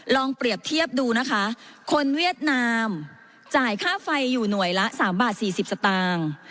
ลองเปรียบเทียบดูนะคะคนเวียดนามจ่ายค่าไฟอยู่หน่วยละ๓บาท๔๐สตางค์